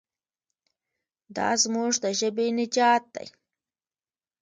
دا زموږ د ژبې نجات دی.